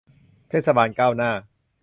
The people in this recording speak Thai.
เทศบาลก้าวหน้า